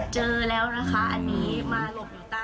เจอแล้วนะคะอันนี้มาหลบอยู่ใต้